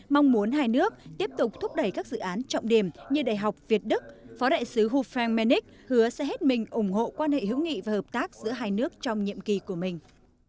mong muốn hai nước tiếp tục thúc đẩy các dự án trọng điểm như đại học việt đức phó đại sứ hufred menik hứa sẽ hết mình ủng hộ quan hệ hữu nghị và hợp tác giữa hai nước trong nhiệm kỳ của mình